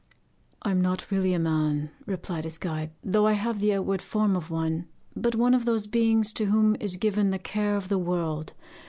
'I am not really a man,' replied his guide, 'though I have the outward form of one, but one of those beings to whom is given the care of the world.